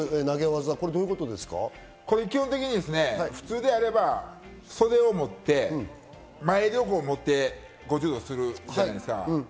基本的に普通であれば袖を持って、前襟を持って柔道するじゃないですか。